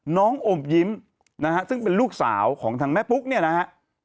อมยิ้มนะฮะซึ่งเป็นลูกสาวของทางแม่ปุ๊กเนี่ยนะฮะ